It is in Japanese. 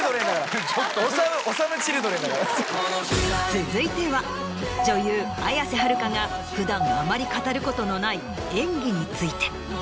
続いては女優綾瀬はるかが普段あまり語ることのない演技について。